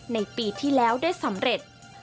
ในปีที่แล้วได้สำเร็จ